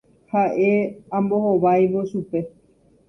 Ha'e ambohováivo chupe.